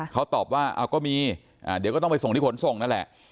เขาตอบว่าก็มีเดี๋ยวก็ต้องไปส่งที่ขนส่งนั่นแหละ